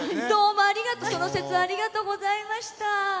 どうもその節はありがとうございました。